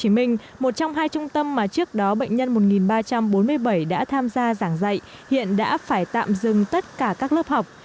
tại quận một mươi tp hcm một trong hai trung tâm mà trước đó bệnh nhân một ba trăm bốn mươi bảy đã tham gia giảng dạy hiện đã phải tạm dừng tất cả các lớp học